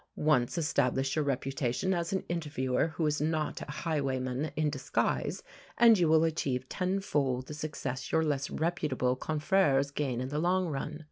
Once establish your reputation as an interviewer who is not a highwayman in disguise, and you will achieve tenfold the success your less reputable confrères gain in the long run.